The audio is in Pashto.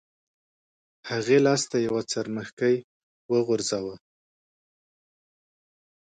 هغې لاس ته یو څرمښکۍ وغورځاوه.